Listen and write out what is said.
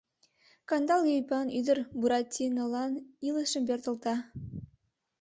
Кандалге ӱпан ӱдыр Буратинолан илышым пӧртылта